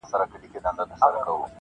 د اولیاوو او شیخانو پیر وو -